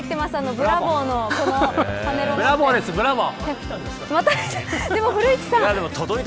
ブラボーです、ブラボー。